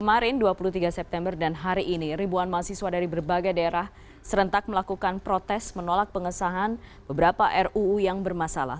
kemarin dua puluh tiga september dan hari ini ribuan mahasiswa dari berbagai daerah serentak melakukan protes menolak pengesahan beberapa ruu yang bermasalah